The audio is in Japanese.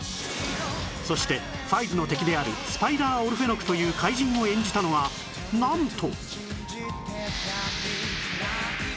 そしてファイズの敵であるスパイダーオルフェノクという怪人を演じたのはなんと